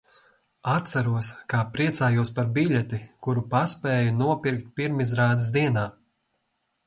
Atceros, kā priecājos par biļeti, kuru paspēju nopirkt pirmizrādes dienā.